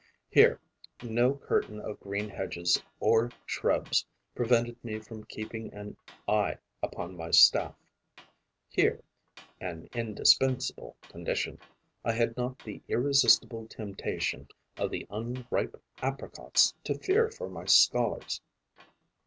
Here, no curtain of green hedges or shrubs prevented me from keeping an eye upon my staff; here an indispensable condition I had not the irresistible temptation of the unripe apricots to fear for my scholars.